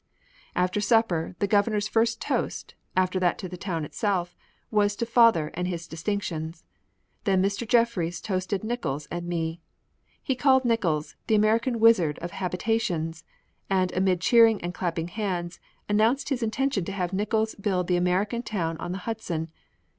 At supper the Governor's first toast, after that to the town itself, was to father and his distinctions. Then Mr. Jeffries toasted Nickols and me. He called Nickols the "American Wizard of Habitations," and, amid cheering and clapping hands, announced his intention to have Nickols build the American town on the Hudson.